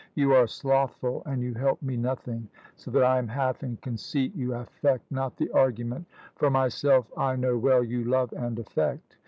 You are slothful, and you help me nothing, so that I am half in conceit you affect not the argument; for myself I know well you love and affect.